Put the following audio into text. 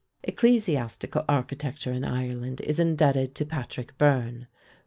Ecclesiastical architecture in Ireland is indebted to Patrick Byrne (fl.